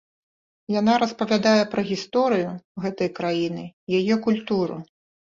Яна распавядае пра гісторыю гэтай краіны, яе культуру.